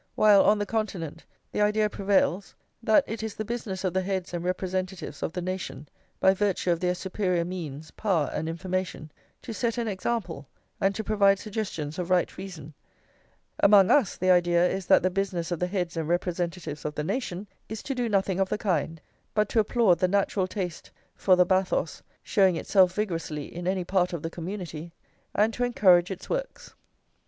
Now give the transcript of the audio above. While, on the Continent, the idea prevails that it is the business of the heads and representatives of the nation, by virtue of their superior means, power, and information, to set an example and to provide suggestions of right reason, among us the idea is that the business of the heads and representatives of the nation is to do nothing of the kind, but to applaud the natural taste for the bathos showing itself vigorously in any part of the community, and to encourage its works.